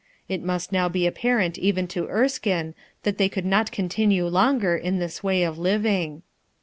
It must now be apparent even to Krskine that they could not continue longer in this way of living.